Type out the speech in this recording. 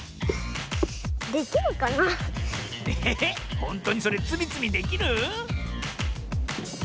ほんとにそれつみつみできる？